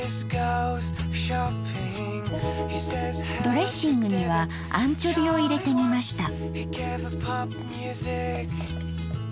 ドレッシングにはアンチョビを入れてみました。